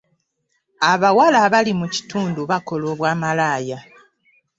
Abawala abali mu kitundu bakola obwa malaaya.